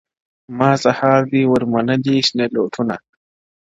ما سهار دي ور منلي شنه لوټونه -